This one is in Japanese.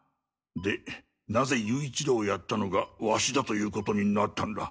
でなぜ勇一郎をやったのがわしだということになったんだ？